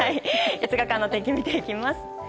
５日間の天気見ていきます。